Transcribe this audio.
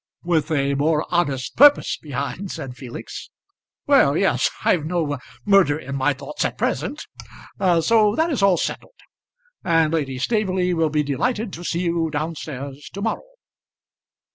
"With a more honest purpose behind," said Felix. "Well, yes; I've no murder in my thoughts at present. So that is all settled, and Lady Staveley will be delighted to see you down stairs to morrow."